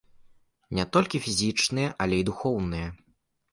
Не толькі фізічная, але і духоўная.